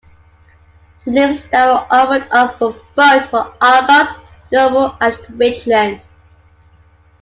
The names that were offered up for vote were Argos, Noble, and Richland.